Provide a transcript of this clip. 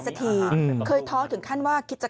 ยังไงเราก็ต้องไปต่อยังไงเราก็ไม่ตาย